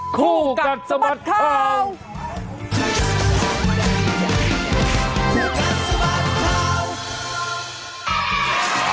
คู่กัดสมัครทอง